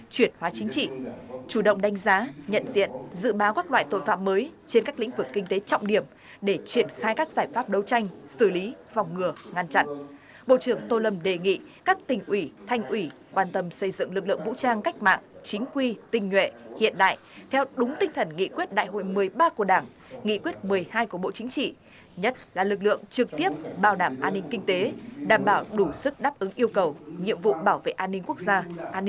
chỉ chủ động đánh giá nhận diện dự máu các loại tội phạm mới trên các lĩnh vực kinh tế trọng điểm để triển khai các giải pháp đấu tranh xử lý phòng ngừa ngăn chặn bộ trưởng tô lâm đề nghị các tỉnh ủy thanh ủy quan tâm xây dựng lực lượng vũ trang cách mạng chính quy tinh nhuệ hiện đại theo đúng tinh thần nghị quyết đại hội một mươi ba của đảng nghị quyết một mươi hai của bộ chính trị nhất là lực lượng trực tiếp bảo đảm an ninh kinh tế đảm bảo đủ sức đáp ứng yêu cầu nhiệm vụ bảo vệ an ninh quốc gia